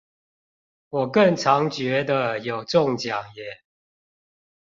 我更常覺得有中獎耶